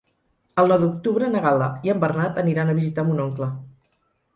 El nou d'octubre na Gal·la i en Bernat aniran a visitar mon oncle.